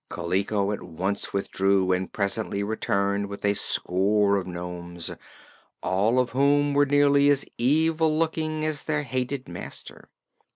Kaliko at once withdrew and presently returned with a score of nomes, all of whom were nearly as evil looking as their hated master.